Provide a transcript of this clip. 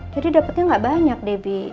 jadi dapetnya nggak banyak deh bi